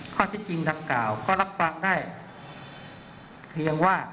ข้อที่จริงดังกล่าวก็รับฟังได้เพียงว่า